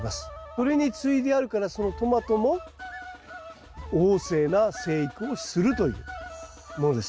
それに接いであるからそのトマトも旺盛な生育をするというものです。